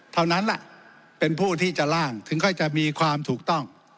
เท่านั้นแหละเป็นผู้ที่จะล่างถึงค่อยจะมีความถูกต้อง